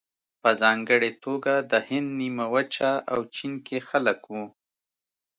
په ځانګړې توګه د هند نیمه وچه او چین کې خلک وو.